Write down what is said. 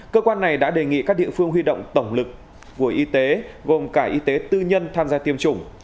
cơ quan này đã đề nghị các địa phương huy động tổng lực của y tế gồm cả y tế tư nhân tham gia tiêm chủng